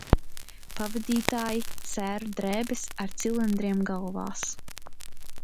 Pavadītāji – sēru drēbēs ar cilindriem galvās.